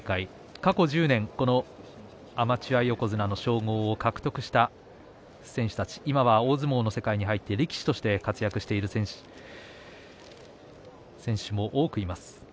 過去１０年、アマチュア横綱の称号を獲得した選手たち、今は大相撲の世界に入って力士として活躍している選手も多くいます。